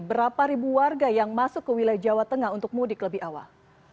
berapa ribu warga yang masuk ke wilayah jawa tengah untuk mudik lebih awal